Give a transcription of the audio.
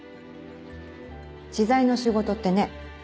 知財の仕事ってね